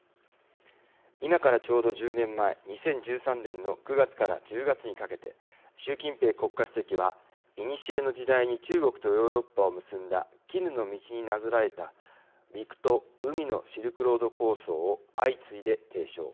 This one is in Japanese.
今からちょうど１０年前２０１３年の９月から１０月にかけて習近平国家主席はいにしえの時代に中国とヨーロッパを結んだ絹の道になぞらえた陸と海のシルクロード構想と相次いで提唱。